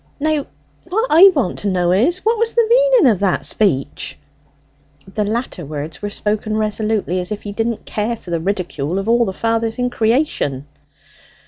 Now, what I want to know is, what was the meaning of that speech?" The latter words were spoken resolutely, as if he didn't care for the ridicule of all the fathers in creation.